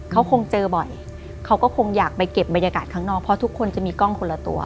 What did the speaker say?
เขาคงเจอบ่อยเขาก็คงอยากไปเก็บบรรยากาศข้างนอกเพราะทุกคนจะมีกล้องคนละตัว